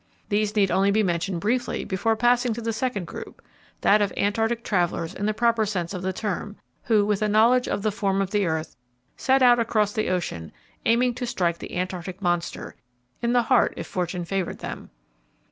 These need only be mentioned briefly before passing to the second group, that of Antarctic travellers in the proper sense of the term, who, with a knowledge of the form of the earth, set out across the ocean, aiming to strike the Antarctic monster in the heart, if fortune favoured them.